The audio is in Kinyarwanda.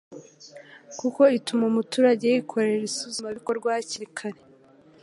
kuko ituma umuturage yikorera isuzumabikorwa hakiri kare,